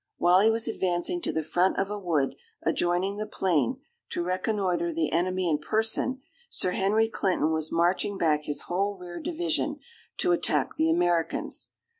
While he was advancing to the front of a wood, adjoining the plain, to reconnoitre the enemy in person, Sir Henry Clinton was marching back his whole rear division, to attack the Americans.